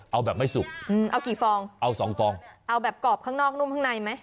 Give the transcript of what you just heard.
เอาแบบไม่สุกอืมเอากี่ฟองเอาสองฟองเอาแบบกรอบข้างนอกนุ่มข้างในไหม